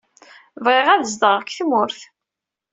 Bɣiɣ ad zedɣeɣ deg tmurt.